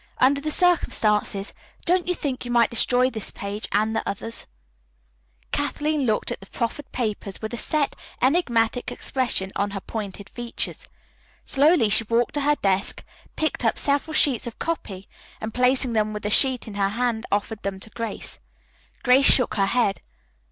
Under the circumstances, don't you think you might destroy this page and the others?" [Illustration: "Here is the Letter You Wrote the Dean."] Kathleen took the proffered papers with a set, enigmatic expression on her pointed features. Slowly she walked to her desk, picked up several sheets of copy and placing them with the sheet in her hand offered them to Grace. Grace shook her head.